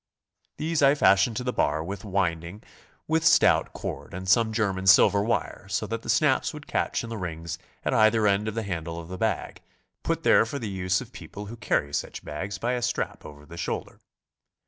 These I fastened to the bar by 100 GOING ABROAD? winding with stout cord and some German silver wire, so that the snaps would catch in the rings at either end of the handle of the bag, put there for the use of people who carry such bags by a strap over the shoulder.